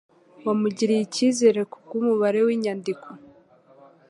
wamugiriye icyizere kubw'umubare w'inyandiko